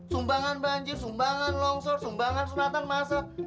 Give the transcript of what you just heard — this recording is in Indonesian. sumbangan banjir sumbangan longsor sumbangan sunatan masak